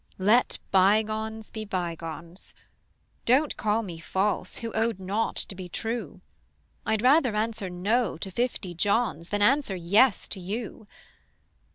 Let bygones be bygones: Don't call me false, who owed not to be true: I'd rather answer "No" to fifty Johns Than answer "Yes" to you.